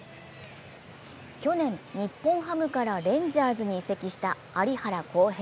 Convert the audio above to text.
去年、日本ハムからレンジャーズに移籍した有原航平。